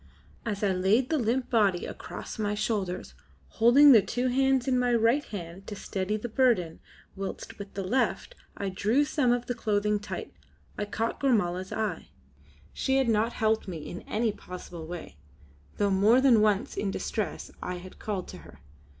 As I laid the limp body across my shoulders, holding the two hands in my right hand to steady the burden whilst with the left I drew some of the clothing tight, I caught Gormala's eye. She had not helped me in any possible way, though more than once in distress I had called to her.